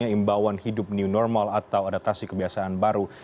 imbauan hidup new normal atau adaptasi kebiasaan baru